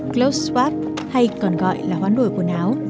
clotheswap hay còn gọi là hoán đổi quần áo